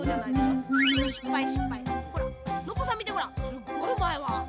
すっごいうまいわ。